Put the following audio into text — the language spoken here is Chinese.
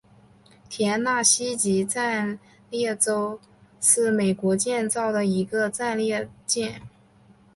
田纳西级战列舰是美国建造的一种战列舰。